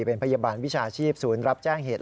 เป็นพยาบาลวิชาชีพศูนย์รับแจ้งเหตุ